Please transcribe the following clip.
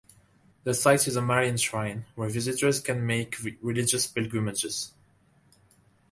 The site is a Marian shrine, where visitors can make religious pilgrimages.